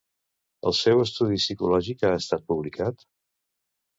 El seu estudi psicològic ha estat publicat?